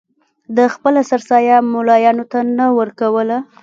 ده خپله سرسایه ملایانو ته نه ورکوله.